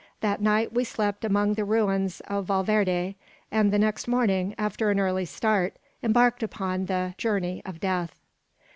That night we slept among the ruins of Valverde; and the next morning, after an early start, embarked upon the "Journey of Death."